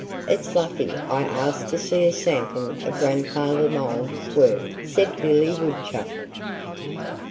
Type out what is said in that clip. "It's lucky I asked to see a sample of Grandfather Mole's work," said Billy Woodchuck.